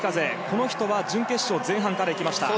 この人は準決勝前半からいきました。